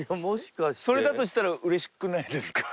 それだとしたら嬉しくないですか？